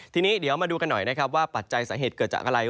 ทีนี้เดี๋ยวมาดูกันหน่อยนะครับว่าปัจจัยสาเหตุเกิดจากอะไร